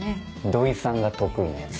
土居さんが得意なやつ。